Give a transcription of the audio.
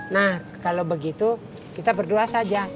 nah kalau begitu kita berdua saja